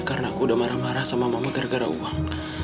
karena aku udah marah marah sama mama gara gara uang